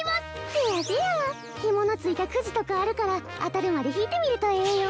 せやせやひものついたくじとかあるから当たるまで引いてみるとええよ